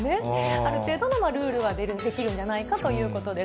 ある程度のルールは出来るんじゃないかということです。